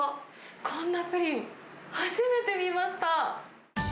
こんなプリン、初めて見ました。